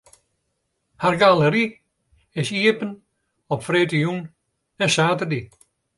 Har galery is iepen op freedtejûn en saterdei.